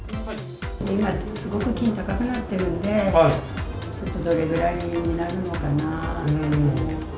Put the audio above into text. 今、すごく金、高くなってるので、ちょっとどれぐらいになるのかなと。